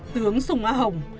tướng sùng á hồng